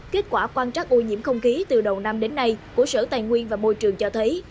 kết quả quan trắc ô nhiễm không khí từ đầu năm đến nay của sở tài nguyên và môi trường cho thấy